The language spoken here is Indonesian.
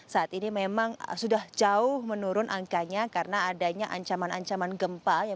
saat ini memang sudah jauh menurun angkanya karena adanya ancaman ancaman gempa